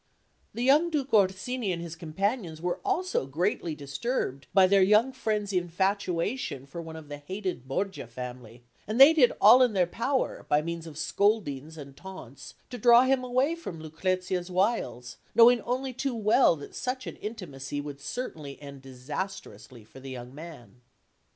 The young Duke Orsini and his companions were also greatly disturbed by their young friend's infatuation for one of the hated Borgia family; and they did all in their power, by means of scoldings and taunts, to draw him away from Lucrezia's wiles, knowing only too well that such an intimacy would certainly end disastrously for the young man.